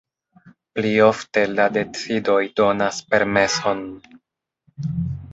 Pli ofte la decidoj donas permeson.